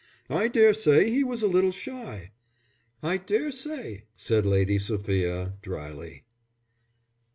I daresay he was a little shy." "I daresay!" said Lady Sophia, dryly.